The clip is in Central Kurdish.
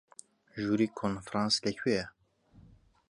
ژووری کۆنفرانس لەکوێیە؟